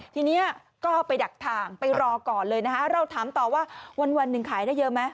ทีนี้ก็ไปดักถ่างไปรอก่อนเลยนะคะเราถามต่อว่าวันหนึ่งขายได้เยอะไหม